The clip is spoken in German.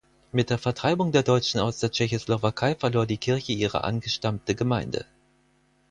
Mit der Vertreibung der Deutschen aus der Tschechoslowakei verlor die Kirche ihre angestammte Gemeinde.